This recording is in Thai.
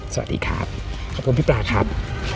สวัสดีครับขอบคุณพี่ปลาครับ